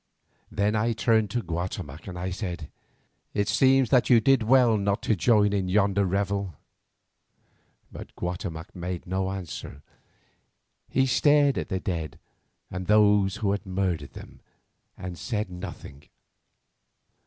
Then I turned to Guatemoc and said, "It seems that you did well not to join in yonder revel." But Guatemoc made no answer. He stared at the dead and those who had murdered them, and said nothing.